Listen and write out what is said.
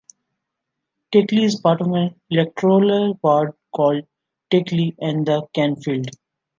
Takeley is part of the electoral ward called Takeley and the Canfields.